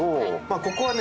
ここはね